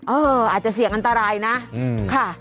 อาจจะเสี่ยงอันตรายนะค่ะ